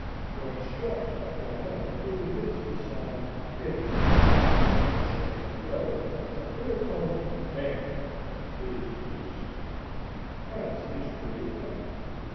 When struck at one end, it emits the sound bim; when struck at the other, a clear toned bam is produced: hence its curious name.